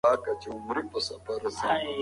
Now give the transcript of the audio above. او دا ئې هم ليکلي وو